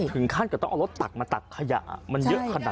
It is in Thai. ถึงขั้นกับต้องเอารถตักมาตักขยะมันเยอะขนาด